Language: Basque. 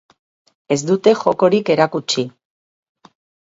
Ez dute jokorik erakutsi.